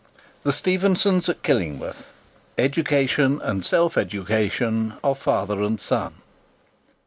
THE STEPHENSONS AT KILLINGWORTH—EDUCATION AND SELF EDUCATION OF FATHER AND SON.